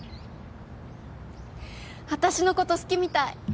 あたしのこと好きみたい。